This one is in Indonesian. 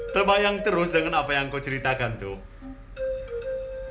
terbayang terus dengan apa yang kau ceritakan tuh